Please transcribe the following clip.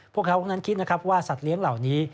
พวกเขาคงคิดว่าสัตว์เลี้ยงเหล่านี้